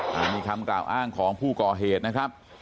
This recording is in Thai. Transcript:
อันนี้คำกล่าวอ้างของผู้ก่อเหตุนะครับ